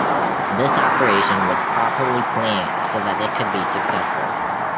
This operation was properly planned so that it could be successful.